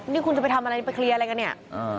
นี่คุณจะไปทำอะไรไปเคลียร์อะไรกันเนี่ย